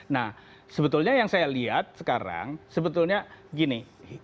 nah sebetulnya yang saya lihat sekarang sebetulnya gini